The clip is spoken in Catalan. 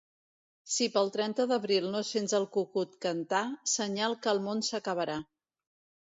Si pel trenta d'abril no sents el cucut cantar, senyal que el món s'acabarà.